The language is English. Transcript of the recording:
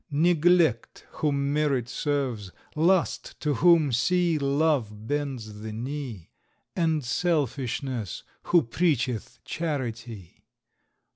Neglect, whom Merit serves; Lust, to whom, see, Love bends the knee; And Selfishness, who preacheth charity.